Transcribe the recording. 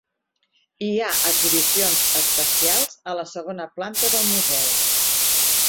Hi ha exhibicions especials a la segona planta del museu.